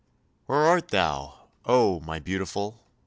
Where art thou, oh! my Beautiful?